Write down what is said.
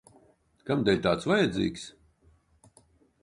Kamdēļ tāds vajadzīgs?